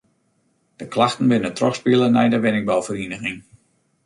De klachten binne trochspile nei de wenningbouferieniging.